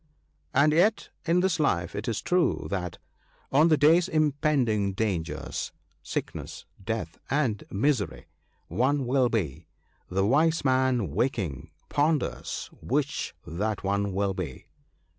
And yet in this life it is true that " Of the day ? s impending dangers, Sickness, Death, and Misery, One will be ; the wise man waking, ponders which that one will be."